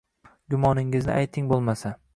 Gumoningizni ayting bo‘lmasa